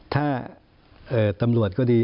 ถ้าตำรวจก็ดี